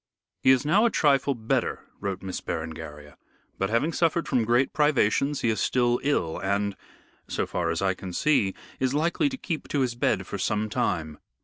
"He is now a trifle better," wrote Miss Berengaria, "but having suffered from great privations he is still ill, and, so far as I can see, is likely to keep to his bed for some time.